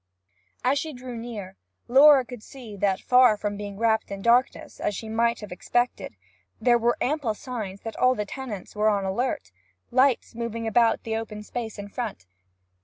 As she drew near, Laura could see that, far from being wrapped in darkness, as she might have expected, there were ample signs that all the tenants were on the alert, lights moving about the open space in front.